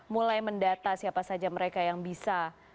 mulai mendata siapa saja mereka yang bisa